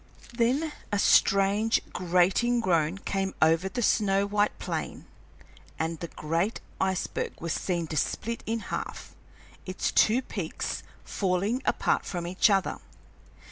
Then a strange grating groan came over the snow white plain, and the great iceberg was seen to split in half, its two peaks falling apart from each other.